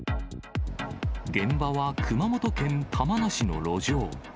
現場は熊本県玉名市の路上。